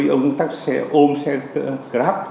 ông tắc xe ôm xe grab